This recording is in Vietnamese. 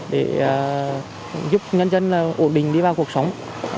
để giúp nhân dân ổn định đi vào cuộc sống